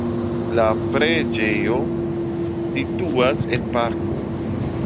La preĝejo situas en parko.